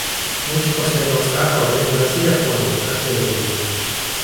Нынче после этого страха во время грозы я понял, как я люблю его.